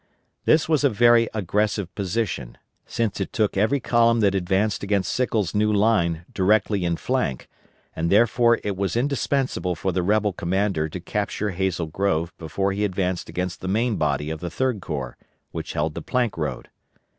This was a very aggressive position, since it took every column that advanced against Sickles' new line directly in flank, and therefore it was indispensable for the rebel commander to capture Hazel Grove before he advanced against the main body of the Third Corps, which held the Plank Road.